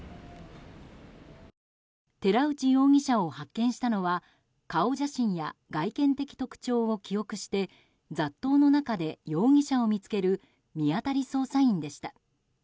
寺内容疑者を発見したのは顔写真や外見的特徴を記憶して雑踏の中で容疑者を見つける見当たり捜査員でした。